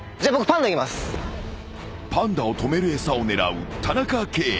［パンダを止める餌を狙う田中圭］